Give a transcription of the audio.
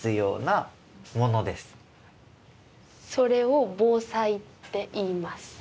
それを防災って言います。